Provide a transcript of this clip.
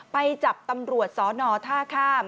ไปจับตำรวจสอนอท่าข้าม